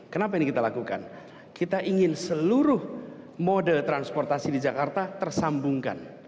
kenapa ini kita lakukan kita ingin seluruh mode transportasi di jakarta tersambungkan